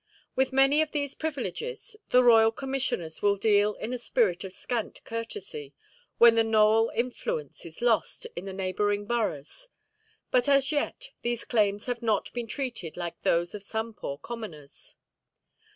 With many of these privileges the Royal Commissioners will deal in a spirit of scant courtesy, when the Nowell influence is lost in the neighbouring boroughs; but as yet these claims have not been treated like those of some poor commoners.